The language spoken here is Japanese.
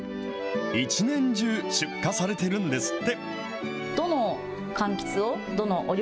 一年中出荷されてるんですって。